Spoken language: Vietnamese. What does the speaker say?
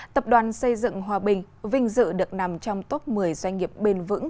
tập đoàn xây dựng hòa bình vinh dự được nằm trong top một mươi doanh nghiệp bền vững